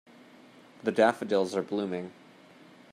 The daffodils are blooming.